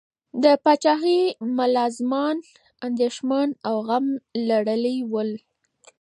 د پاچاهۍ ملازمان اندیښمن او غم لړلي ول.